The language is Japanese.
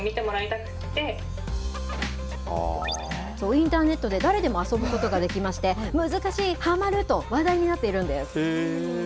インターネットで誰でも遊ぶことができまして、難しい、はまると話題になっているんです。